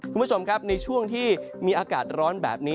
คุณผู้ชมครับในช่วงที่มีอากาศร้อนแบบนี้